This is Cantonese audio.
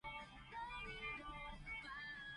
下下靠食芒果乾唔掂架喎